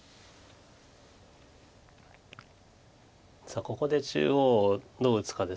さあここで中央をどう打つかです。